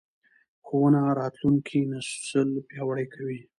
ښوونه راتلونکی نسل پیاوړی کوي